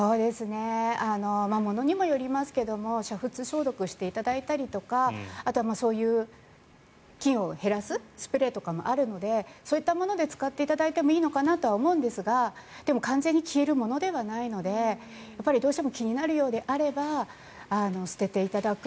ものにもよりますけど煮沸消毒していただいたりとかあと、そういう菌を減らすスプレーとかもあるのでそういったもので使っていただいてもいいと思うんですがでも、完全に消えるものではないのでやっぱりどうしても気になるようであれば捨てていただく。